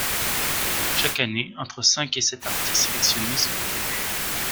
Chaque année, entre cinq et sept artistes sélectionnés sont retenus.